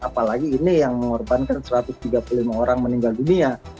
apalagi ini yang mengorbankan satu ratus tiga puluh lima orang meninggal dunia